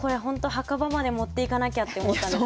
墓場まで持っていかなきゃって思ったんですけど。